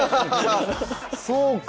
そうか。